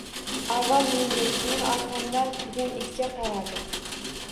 Avval menga, keyin orqamda turgan itga qaradi